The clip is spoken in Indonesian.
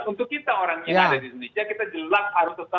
untuk kita orangnya yang ada di indonesia